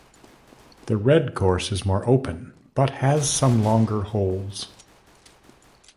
The red course is more open, but has some longer holes.